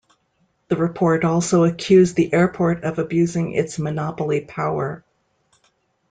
The report also accused the airport of abusing its monopoly power.